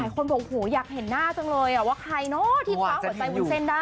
คนบอกโหอยากเห็นหน้าจังเลยว่าใครเนอะที่คว้าหัวใจวุ้นเส้นได้